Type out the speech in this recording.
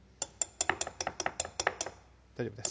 大丈夫です